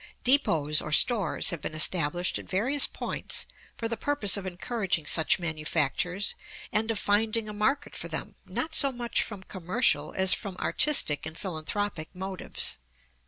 Depots or stores have been established at various points for the purpose of encouraging such manufactures and of finding a market for them, not so much from commercial as from artistic and philanthropic motives.